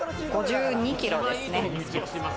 ５２キロですね。